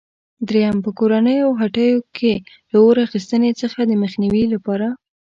درېیم: په کورونو او هټیو کې له اور اخیستنې څخه د مخنیوي لپاره؟